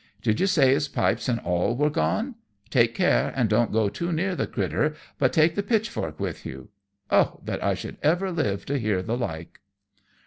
Did you say his pipes and all are gone? Take care and don't go too near the crittur, but take the pitchfork with you. Oh, that I should ever live to hear the like!"